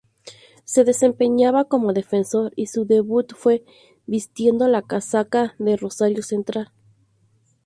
Se desempeñaba como defensor y su debut fue vistiendo la casaca de Rosario Central.